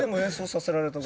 させられたの。